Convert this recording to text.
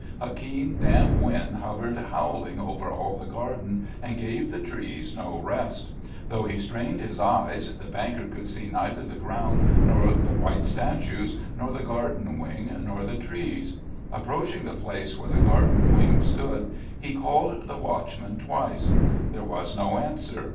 A keen damp wind hovered howling over all the garden and gave the trees no rest. Though he strained his eyes, the banker could see neither the ground, nor the white statues, nor the garden wing, nor the trees. Approaching the place where the garden wing stood, he called the watchman twice. There was no answer.